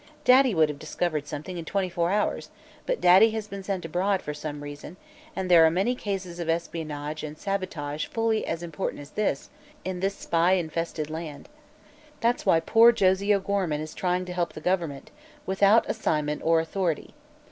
Daddy would have discovered something in twenty four hours; but Daddy has been sent abroad, for some reason, and there are many cases of espionage and sabotage fully as important as this, in this spy infested land. That's why poor Josie O'Gorman is trying to help the government, without assignment or authority.